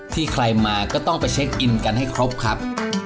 ใครมาก็ต้องไปเช็คอินกันให้ครบครับ